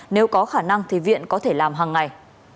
nếu có khả năng thì viện có thể làm hàng ngày